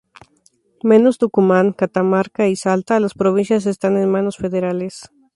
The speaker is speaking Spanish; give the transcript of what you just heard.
Menos Tucumán, Catamarca y Salta, las provincias están en manos federales.